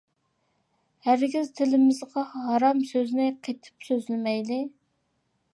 ھەرگىز تىلىمىزغا ھارام سۆزنى قېتىپ سۆزلىمەيلى!